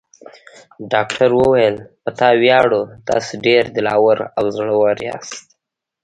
ډاکټر وویل: په تا ویاړو، تاسي ډېر دل اور او زړور یاست.